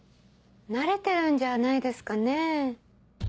慣れてるんじゃないですかねぇ？